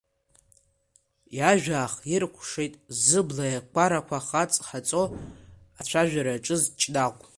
Иажәа аахиркәшеит, зыбла еиқәарақәа ҳаҵ-ҳаҵо ацәажәара иаҿыз Ҷнагә.